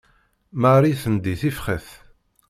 Marie tendi tifxet.